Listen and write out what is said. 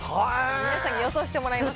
皆さんに予想してもらいます。